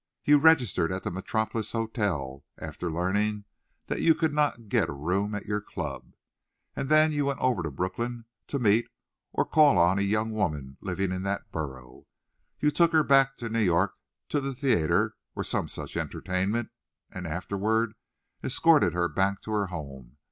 You registered at the Metropolis Hotel, after learning that you could not get a room at your club. And then you went over to Brooklyn to meet, or to call on, a young woman living in that borough. You took her back to New York to the theatre or some such entertainment, and afterward escorted her back to her home.